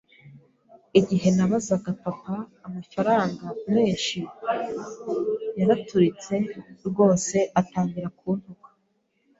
Igihe nabazaga papa amafaranga menshi, yaraturitse rwose atangira kuntaka.